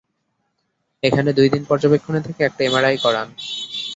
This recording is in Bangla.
এখানে দুই দিন পর্যবেক্ষণে থেকে একটা এমআরআই করান।